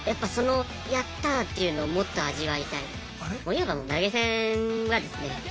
いわばもう投げ銭はですね